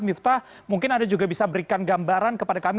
miftah mungkin anda juga bisa berikan gambaran kepada kami